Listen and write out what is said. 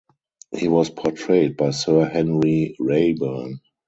He was portrayed by Sir Henry Raeburn.